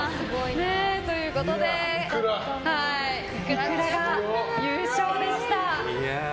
ということでいくらが優勝でした。